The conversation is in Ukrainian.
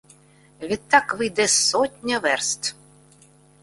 Відтак вийде сотня верст!